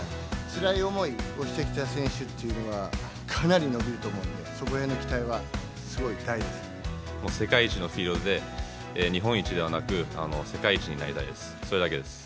つらい思いをしてきた選手っていうのは、かなり伸びると思うんで、そこらへんの期待は、もう世界一のフィールドで、日本一ではなく、世界一になりたいです。